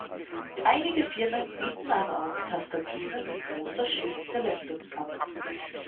Einige Firmen bieten aber auch Tastaturen mit großer Schrift für Laptops an.